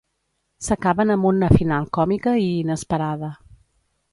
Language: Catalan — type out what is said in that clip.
S'acaben amb una final còmica i inesperada.